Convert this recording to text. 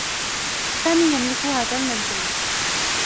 سامي يملك هذا المنزل.